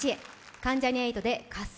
関ジャニ∞で「喝采」